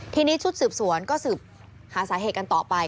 ทีนี้ชุดสืบสวนก็สืบหาสาเหตุกันต่อไป